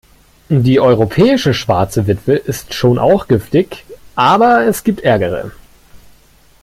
Die Europäische Schwarze Witwe ist schon auch giftig, aber es gibt ärgere.